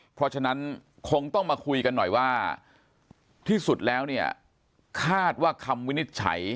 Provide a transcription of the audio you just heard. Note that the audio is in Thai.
เพราะฉะนั้นคงต้องมาคุยกันหน่อยว่าที่สุดแล้วเนี่ยคาดว่าคำวินิจฉัย